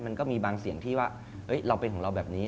มันก็มีบางเสียงที่ว่าเราเป็นของเราแบบนี้